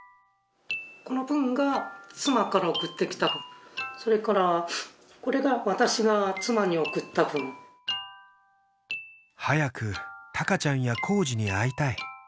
この分が妻から送ってきた分それからこれが私が妻に送った分「早く孝ちゃんや浩二に会いたい」